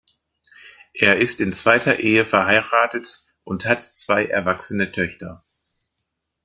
Er ist in zweiter Ehe verheiratet und hat zwei erwachsene Töchter.